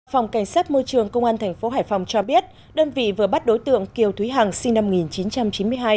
phòng cảnh sát môi trường công an tp hải phòng cho biết đơn vị vừa bắt đối tượng kiều thúy hằng sinh năm một nghìn chín trăm chín mươi hai